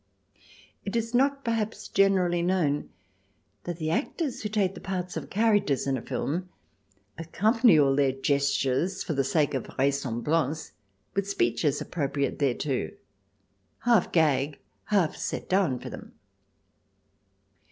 It is not perhaps generally known that the actors who take the parts of characters in a film accompany all their gestures, for the sake of vraisemblance, with speeches appro priate thereto — half gag, half set down for them.